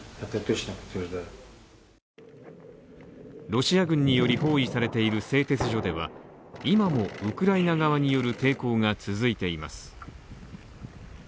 ロシア軍による包囲されている製鉄所では今もウクライナ側による抵抗が続いています。